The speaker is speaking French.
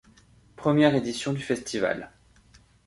Première édition du Festival.